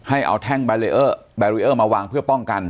ให้เอาแท่งเบรียร์มาวางเพื่อป้องกัน